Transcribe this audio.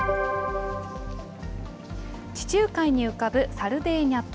地中海に浮かぶサルデーニャ島。